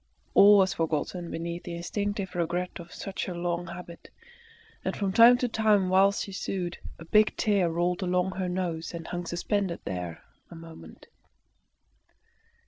All was forgotten beneath the instinctive regret of such a long habit, and from time to time whilst she sewed, a big tear rolled along her nose and hung suspended there a moment.